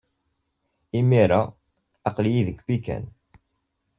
Imir-a, aql-iyi deg Pikin.